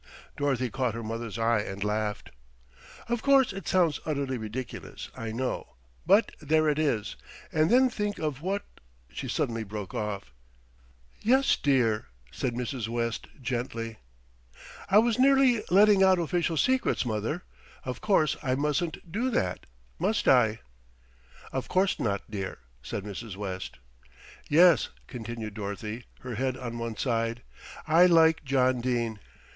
Dorothy caught her mother's eye, and laughed. "Of course it sounds utterly ridiculous I know; but there it is, and then think of what " She suddenly broke off. "Yes, dear," said Mrs. West gently. "I was nearly letting out official secrets, mother. Of course I mustn't do that, must I?" "Of course not, dear," said Mrs. West. "Yes," continued Dorothy, her head on one side, "I like John Dene.